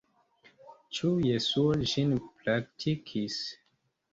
Ĉu Jesuo ĝin praktikis?